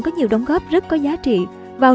có nhiều đóng góp rất có giá trị vào